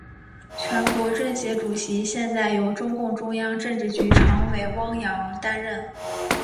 全国政协主席现在由中共中央政治局常委汪洋担任。